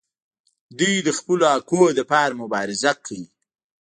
دوی د خپلو حقونو لپاره مبارزه کوي.